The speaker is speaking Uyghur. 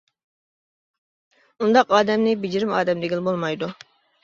ئۇنداق ئادەمنى بېجىرىم ئادەم دېگىلى بولمايدۇ.